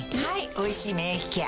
「おいしい免疫ケア」